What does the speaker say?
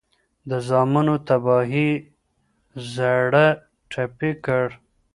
د زامنو تباهي یې زړه ټپي کړ